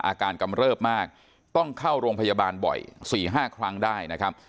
กำเริบมากต้องเข้าโรงพยาบาลบ่อย๔๕ครั้งได้นะครับ